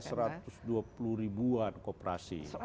sekarang ada satu ratus dua puluh ribuan kooperasi